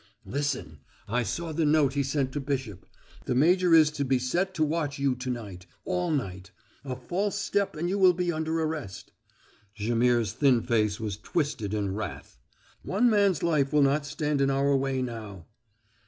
"Listen! I saw the note he sent to Bishop. The major is to be set to watch you to night all night. A false step and you will be under arrest." Jaimihr's thin face was twisted in wrath. "One man's life will not stand in our way now."